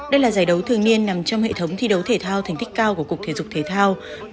đây là giải đấu thường niên nằm trong hệ thống thi đấu thể thao thành tích cao của cục thể dục thể thao